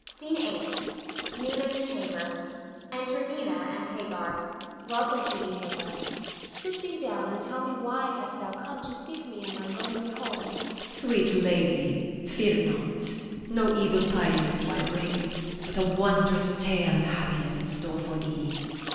SCENE EIGHTH. [Nina's chamber. Enter Nina and Hagar.] Nina. Welcome to thee, Hagar; sit thee down and tell me why hast thou come to seek me in my lonely home? Hagar. Sweet lady, fear not; no evil tidings do I bring, but a wondrous tale of happiness in store for thee.